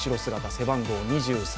背番号２３